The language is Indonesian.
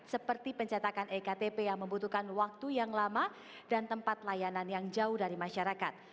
seperti pencetakan ektp yang membutuhkan waktu yang lama dan tempat layanan yang jauh dari masyarakat